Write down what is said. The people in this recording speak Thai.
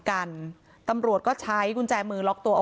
คำให้การในกอล์ฟนี่คือคำให้การในกอล์ฟนี่คือ